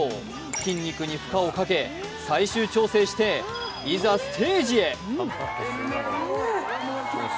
筋肉に負荷をかけ最終調整して、いざステージへ。